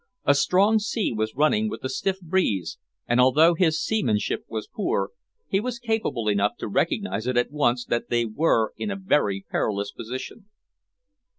A strong sea was running with a stiff breeze, and although his seamanship was poor, he was capable enough to recognize at once that they were in a very perilous position.